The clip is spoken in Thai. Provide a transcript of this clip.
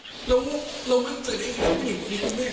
แล้วมันเสร็จได้ยังไงมันอยู่ที่นี่แม่